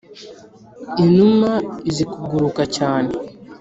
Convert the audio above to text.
Inuma izikuguruka cyane.